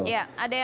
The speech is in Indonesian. iya ada yang ya